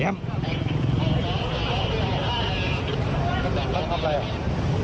มันทำอะไรอ่ะ